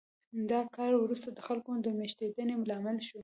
دا کار وروسته د خلکو د مېشتېدنې لامل شو